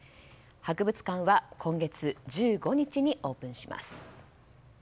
博物館は今月１５日にオープンします。